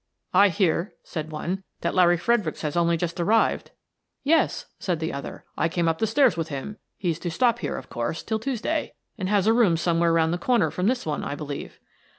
" I hear," said one, " that Larry Fredericks has only just arrived." " Yes," said the other, " I came up the stairs with him. He's to stop here, of course, till Tues day, and has a room somewhere round the corner from this one, I believe."